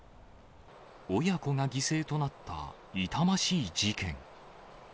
親子が犠牲となった痛ましい事件。